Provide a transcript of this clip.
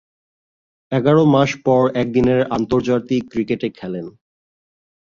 এগার মাস পর একদিনের আন্তর্জাতিক ক্রিকেটে খেলেন।